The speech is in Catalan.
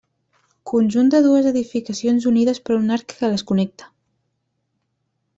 Conjunt de dues edificacions unides per un arc que les connecta.